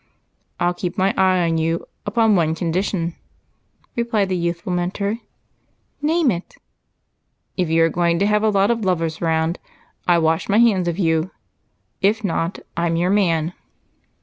"I'll keep my eye on you upon one condition," replied the youthful mentor. "Name it." "If you are going to have a lot of lovers around, I wash my hands of you. If not, I'm your man."